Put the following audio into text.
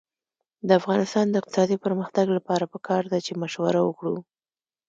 د افغانستان د اقتصادي پرمختګ لپاره پکار ده چې مشوره وکړو.